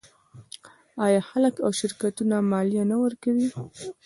آیا خلک او شرکتونه مالیه نه ورکوي؟